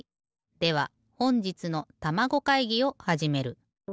ではほんじつのたまご会議をはじめる。